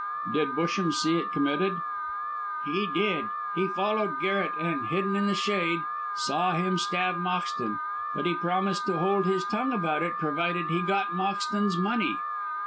"Did Busham see it committed?" "He did. He followed Garret, and, hidden in the shade, saw him stab Moxton. But he promised to hold his tongue about it, provided he got Moxton's money.